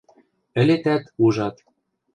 – Ӹлетӓт, ужат...